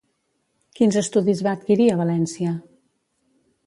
Quins estudis va adquirir a València?